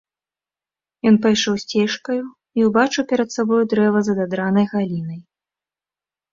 Ён пайшоў сцежкаю і ўбачыў перад сабою дрэва з ададранай галінай.